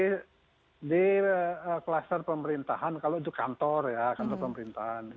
ada kluster pemerintahan kalau itu kantor ya kantor pemerintahan